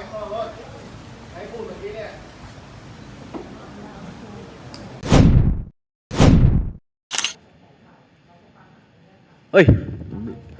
กินก้าวไปแล้ว